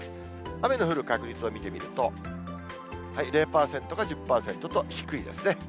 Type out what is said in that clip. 雨の降る確率を見てみると、０％か１０％と低いですね。